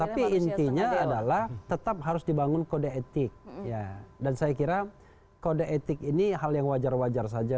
tapi intinya adalah tetap harus dibangun kode etik dan saya kira kode etik ini hal yang wajar wajar saja